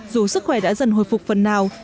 dù sức khỏe đã dần hồi phục phần nào